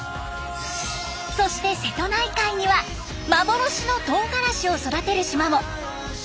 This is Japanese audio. そして瀬戸内海には幻のトウガラシを育てる島も！